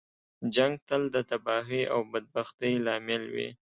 جنګ تل د تباهۍ او بدبختۍ لامل وي.